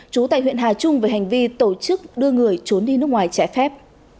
trú tại huyện hà trung về hành vi tổ chức đưa người trốn đi nước ngoài trái phép